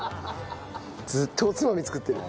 ずっとおつまみ作ってる。